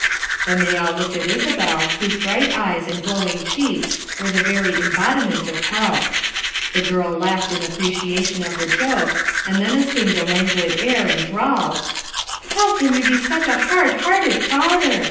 Then they all looked at Isabel whose bright eyes and glowing cheeks were the very embodi ment of health. The girl laughed in apprecia tion of the joke, and then assumed a languid air and drawled— " How can you be such a hard hearted father!